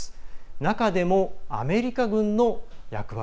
中でも、アメリカ軍の役割。